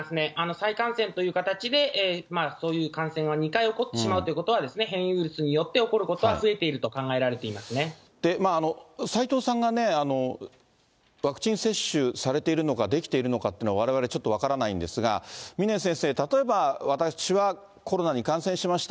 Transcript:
再感染という形で、そういう感染が２回起こってしまうということは、変異ウイルスによって起こることは増えていると考えられてい斉藤さんがワクチン接種されているのか、できているのかっていうのは、われわれちょっと分からないんですが、峰先生、例えば私はコロナに感染しました。